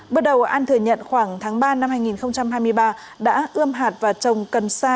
bước đầu an thừa nhận khoảng tháng ba năm hai nghìn hai mươi ba đã ươm hạt và trồng cần sa